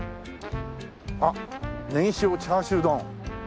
あっ「ねぎ塩チャーシュー丼」。